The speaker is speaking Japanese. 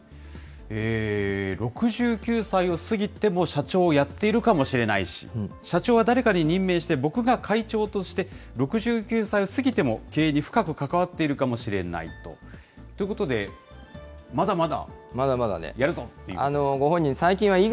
６９歳を過ぎても社長をやっているかもしれないし、社長は誰かに任命して、僕が会長として６９歳を過ぎても経営に深く関わっているかもしれないと。ということで、まだまだ。